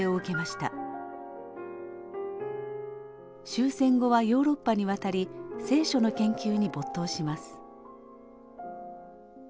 終戦後はヨーロッパに渡り「聖書」の研究に没頭します。